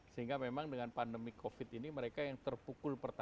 sehingga memang dengan pandemi covid ini mereka yang terpukul pertama